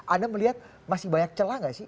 anda melihat masih banyak celah nggak sih